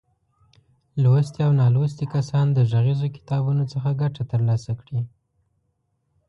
لوستي او نالوستي کسان د غږیزو کتابونو څخه ګټه تر لاسه کړي.